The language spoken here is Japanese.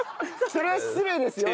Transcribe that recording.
それは失礼ですよ。